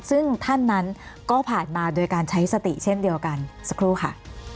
ซึ่งท่านนั้นก็ผ่านมาโดยการใช้สติเช่นเดียวกันสักครู่ค่ะ